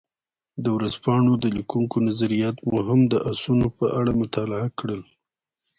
د ورځپاڼو د لیکونکو نظریات مو هم د اسونو په اړه مطالعه کړل.